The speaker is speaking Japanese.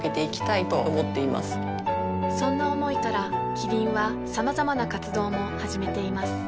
そんな思いからキリンはさまざまな活動も始めています